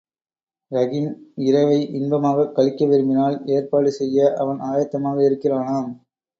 ரஹீம் இரவை இன்பமாகக் கழிக்க விரும்பினால் ஏற்பாடு செய்ய அவன் ஆயத்தமாக இருக்கிறானாம்.